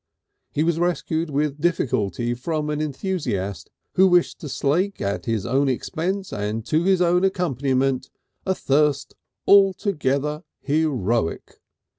He was rescued with difficulty from an enthusiast who wished to slake at his own expense and to his own accompaniment a thirst altogether heroic.